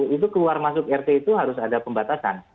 itu keluar masuk rt itu harus ada pembatasan